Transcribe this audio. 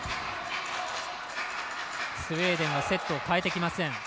スウェーデンはセットを代えてきません。